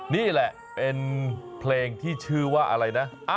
นี่แหละเป็นเพลงที่ชื่อไอ้มีเหตุผล